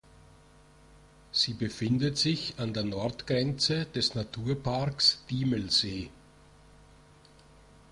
Sie befindet sich an der Nordgrenze des Naturparks Diemelsee.